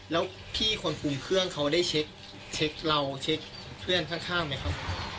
แล้วพี่คนคุมเครื่องเขาได้เช็คเราเช็คเพื่อนข้างไหมครับ